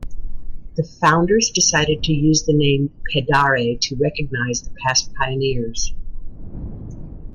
The founders decided to use the name "Pedare" to recoginise the past pioneers.